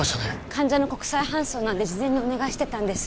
患者の国際搬送なんで事前にお願いしてたんです